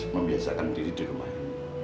membiasakan diri di rumah